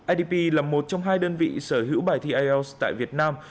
idp là một trong hai đơn vị sở hữu bài thi ielts tại việt nam